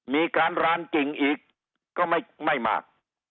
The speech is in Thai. มีการร้านกิ่งอีกก็ไม่มาก